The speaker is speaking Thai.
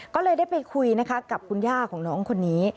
ก็เลยได้ไปคุยนะคะกับคุณย่าของน้องคนนี้